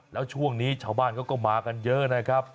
แล้วช่วงนี้ชาวบ้านเขาก็มากันเยอะนะครับ